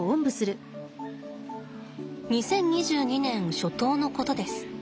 ２０２２年初頭のことです。